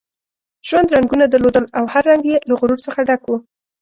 ژوند رنګونه درلودل او هر رنګ یې له غرور څخه ډک وو.